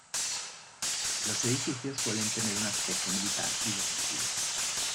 Los edificios suelen tener un aspecto militar y defensivo.